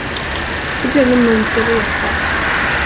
Det blev en munter resa.